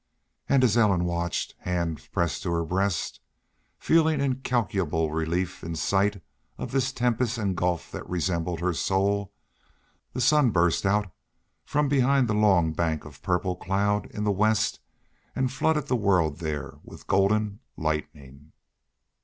And as Ellen watched, hands pressed to her breast, feeling incalculable relief in sight of this tempest and gulf that resembled her soul, the sun burst out from behind the long bank of purple cloud in the west and flooded the world there with golden lightning.